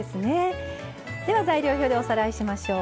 材料表でおさらいしましょう。